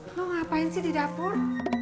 mau ngapain sih di dapur